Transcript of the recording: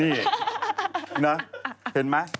เนี่ยเห็นไหม